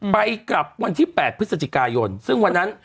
ไปกลับวันที่๘พฤศจิกายนซึ่งวันนั้น